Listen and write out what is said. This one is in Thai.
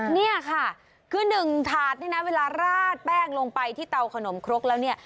เนี่ยค่ะคือหนึ่งถาดนี่นะเวลาราดแป้งลงไปที่เตาขนมครกแล้วเนี่ย